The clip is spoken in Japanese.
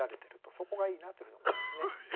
そこがいいなというふうに思いますね。